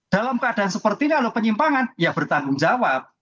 dalam keadaan seperti ini kalau penyimpangan ya bertanggung jawab